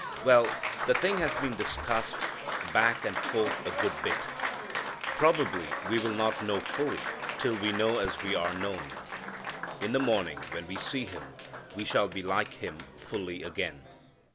Well, the thing has been discussed back and forth a good bit. Probably we will not know fully till we know as we are known. In the morning when we see Him we shall be like Him fully again.